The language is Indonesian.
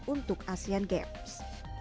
untuk asean games